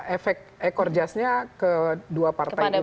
efek ekor jasnya ke dua partai ini